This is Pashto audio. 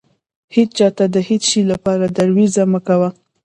هيچا ته د هيڅ شې لپاره درويزه مه کوه.